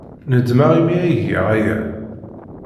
Nedmeɣ imi ay giɣ aya.